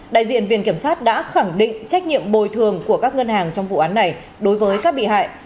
đại diện viện kiểm sát đã khẳng định trách nhiệm bồi thường của các ngân hàng trong vụ án này đối với các bị hại